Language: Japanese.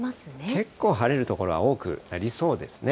結構晴れる所は多くなりそうですね。